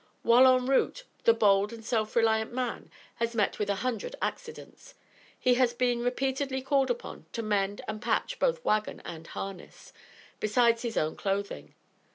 While en route, the bold and self reliant man has met with a hundred accidents. He has been repeatedly called upon to mend and patch both wagon and harness, besides his own clothing.